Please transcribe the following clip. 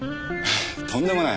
とんでもない。